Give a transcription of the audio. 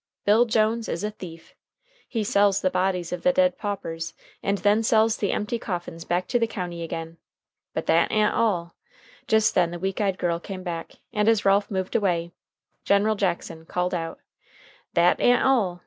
Bill Jones is a thief! He sells the bodies of the dead paupers, and then sells the empty coffins back to the county agin. But that a'n't all " Just then the weak eyed girl came back, and, as Ralph moved away, General Jackson called out: "That a'n't all.